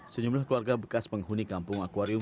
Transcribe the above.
sejumlah keluarga bekas penghuni kampung akwarium